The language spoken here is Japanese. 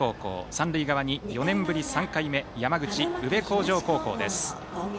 三塁側に、４年ぶり３回目山口・宇部鴻城高校です。